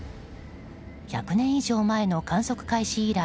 １００年以上前の観測開始以来